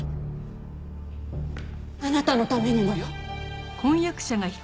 あなたのためにもよ。